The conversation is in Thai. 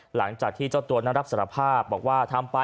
หลังจากที่เจ้าตัวนั้นรับสารภาพบอกว่าทำไป